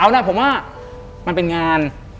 เอาล่ะผมว่ามันเป็นงาน